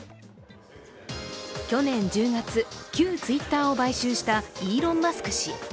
去年１０月、旧Ｔｗｉｔｔｅｒを買収したイーロン・マスク氏。